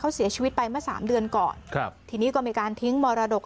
เขาเสียชีวิตไปเมื่อสามเดือนก่อนครับทีนี้ก็มีการทิ้งมรดก